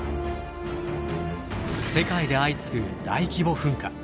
世界で相次ぐ大規模噴火。